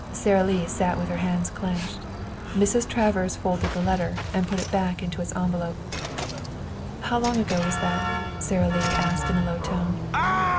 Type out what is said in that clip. Sara Lee sat with her hands clenched. Mrs. Travers folded the letter and put it back into its envelope. "How long ago was that?" Sara Lee asked in a low tone.